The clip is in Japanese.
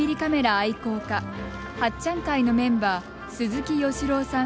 愛好家八ちゃん会のメンバー鈴木芳朗さん